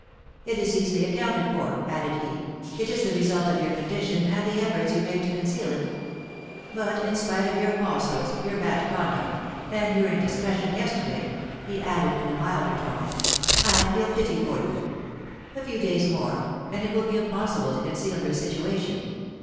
'It is easily accounted for,' added he; 'it is the result of your condition and the efforts you make to conceal it; but, in spite of your falsehoods, your bad conduct, and your indiscretion yesterday,' he added, in a milder tone, 'I feel pity for you. A few days more, and it will be impossible to conceal your situation.